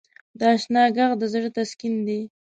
د اشنا ږغ د زړه تسکین دی.